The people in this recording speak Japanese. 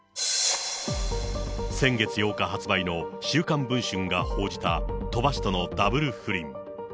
先月８日発売の週刊文春が報じた鳥羽氏とのダブル不倫。